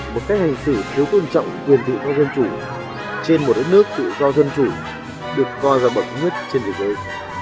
một cách hành xử thiếu tôn trọng quyền thị cho dân chủ trên một đất nước tự do dân chủ được co ra bậc nhất trên thế giới